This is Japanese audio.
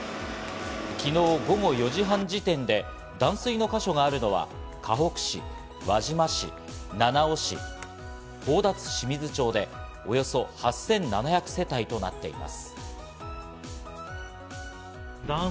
昨日午後４時半時点で断水の箇所があるのは、かほく市、輪島市、七尾市、宝達志水町で、およそ８７００世帯となっています。